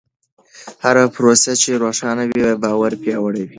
هره پروسه چې روښانه وي، باور پیاوړی کوي.